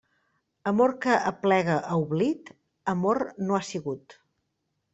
Amor que aplega a oblit, amor no ha sigut.